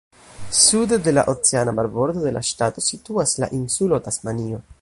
Sude de la oceana marbordo de la ŝtato situas la insulo Tasmanio.